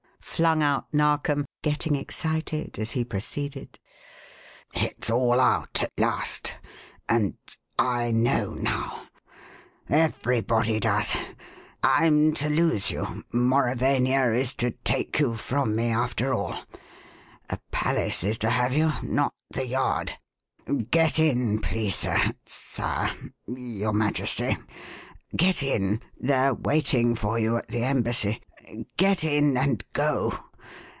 flung out Narkom, getting excited as he proceeded. "It's all out at last and I know now. Everybody does. I'm to lose you. Mauravania is to take you from me after all. A palace is to have you not the Yard. Get in, please, sir Sire your Majesty. Get in. They're waiting for you at the embassy. Get in and go!